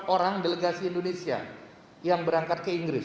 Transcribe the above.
dua puluh empat orang delegasi indonesia yang berangkat ke inggris